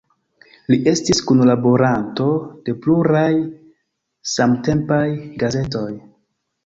Li estis kunlaboranto de pluraj samtempaj gazetoj.